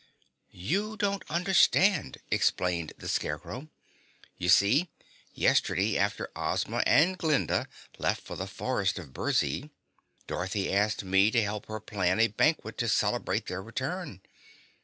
"You don't understand," explained the Scarecrow. "You see, yesterday after Ozma and Glinda left for the Forest of Burzee, Dorothy asked me to help her plan a banquet to celebrate their return.